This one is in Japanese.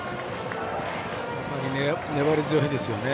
粘り強いですね